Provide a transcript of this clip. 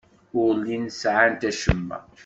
Ur llint sɛant acemma.